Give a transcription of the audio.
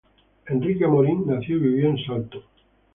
Enrique Amorim nació y vivió en Salto.